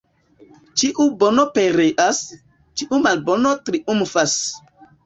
Ĉiu bono pereas, ĉiu malbono triumfas.